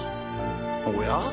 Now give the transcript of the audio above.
おや？